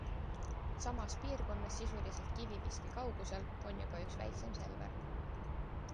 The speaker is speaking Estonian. Samas piirkonnas sisuliselt kiviviske kaugusel on juba üks väiksem Selver.